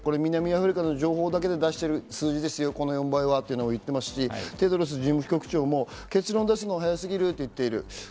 南アフリカの情報だけで出している数字ですよと言っていますし、テドロス事務局長も結論を出すのは早すぎると言っている。